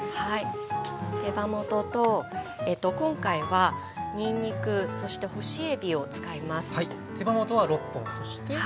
手羽元と今回はにんにくそして干しえびを使います。